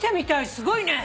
すごいね。